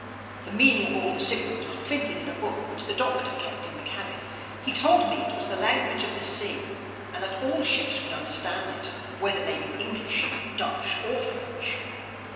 The meaning of all the signals was printed in a book which the Doctor kept in the cabin. He told me it was the language of the sea and that all ships could understand it whether they be English, Dutch, or French.